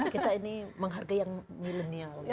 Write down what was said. kita ini menghargai yang milenial